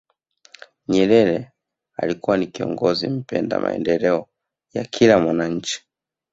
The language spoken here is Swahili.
nyerere alikuwa ni kiongozi mpenda maendeleo ya kila mwananchi